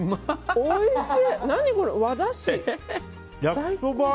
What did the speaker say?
おいしい！